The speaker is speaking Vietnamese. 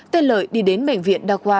tên lợi đi đến bệnh viện đà khoa